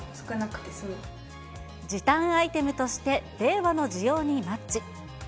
時短アイテムとして、令和の需要にマッチ。